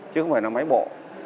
chứ không phải là máy bộ